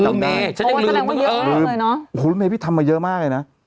เพราะว่าแสดงว่าเยอะมากเลยเนอะโอ้โหพี่ทำมาเยอะมากเลยนะ